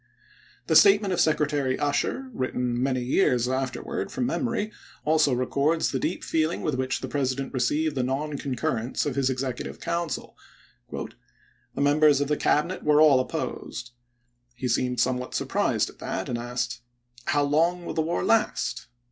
The statement of Secretary Usher, written many years afterward from memory, also records the deep feeling with which the President received the non concnrrence of his Executive Council : "The members of the Cabinet were all opposed. He seemed somewhat surprised at that and asked, i How long will the war last